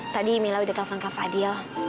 tadi mila udah telpon kak fadil